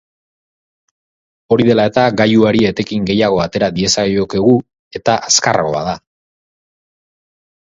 Hori dela eta, gailuari etekin gehiago atera diezaiokegu eta azkarragoa da.